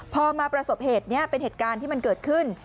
พอมาประสบเหตุนี้เป็นเหตุการณ์ที่มันเกิดขึ้น